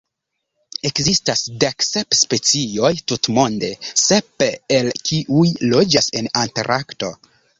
Ekzistas dek sep specioj tutmonde, sep el kiuj loĝas en Antarkto.